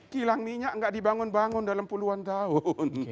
kilang minyak tidak dibangun bangun dalam puluhan tahun